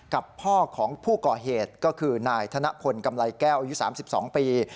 กับพ่อของผู้ก่อเหตุก็คือนายธนพลกำไรแก้วอายุ๓๒ปี